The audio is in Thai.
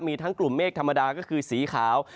มีทั้งกลุ่มเมฆธรรมดาก็คือสีขาว